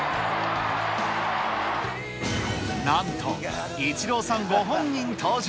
なんと、イチローさんご本人登場。